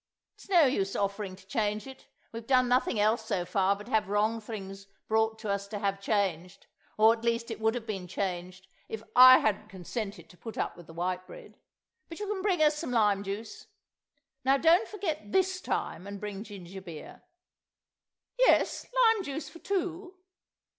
... It's no use offering to change it; we've done nothing else so far but have wrong things brought us to have changed—or at least it would have been changed if I hadn't consented to put up with the white bread. But you can bring us some lime juice. Now don't forget this time and bring ginger beer. ... Yes, lime juice for two.